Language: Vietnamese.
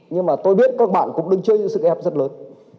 nhưng mà tôi biết các bạn cũng đứng chơi dưới sự kép rất lớn